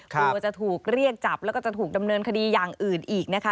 กลัวจะถูกเรียกจับแล้วก็จะถูกดำเนินคดีอย่างอื่นอีกนะคะ